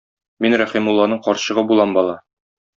Мин Рәхимулланың карчыгы булам, бала.